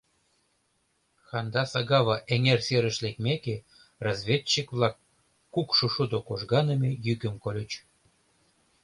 Хандаса-Гава эҥер серыш лекмеке, разведчик-влак кукшо шудо кожганыме йӱкым кольыч.